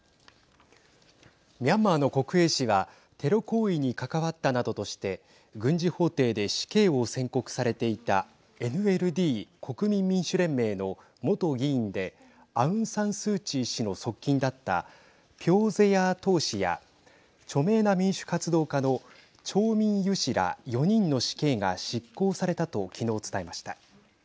ミャンマーの国営紙はテロ行為に関わったなどとして軍事法廷で死刑を宣告されていたＮＬＤ＝国民民主連盟の元議員でアウン・サン・スー・チー氏の側近だったピョー・ゼヤー・トー氏や著名な民主活動家のチョー・ミン・ユ氏ら４人の死刑が執行されたときのう伝えました。